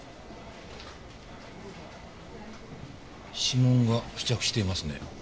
指紋が付着していますね。